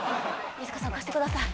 飯塚さん貸してください